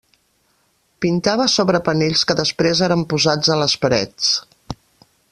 Pintava sobre panells que després eren posats a les parets.